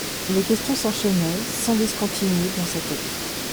Les questions s’enchaînaient sans discontinuer dans sa tête.